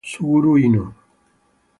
Suguru Hino